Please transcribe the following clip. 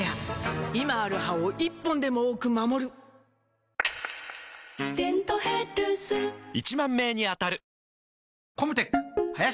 今ある歯を１本でも多く守る「デントヘルス」１０，０００名に当たる！